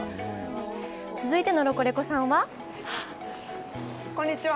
続いてのロコレコさんは！